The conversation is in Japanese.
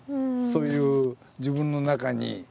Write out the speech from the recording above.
そういう自分の中に。